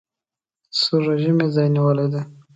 سور رژیم یې ځای نیولی دی.